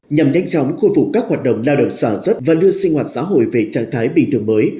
nhằm nhanh chóng khôi phục các hoạt động lao động sản xuất và đưa sinh hoạt xã hội về trạng thái bình thường mới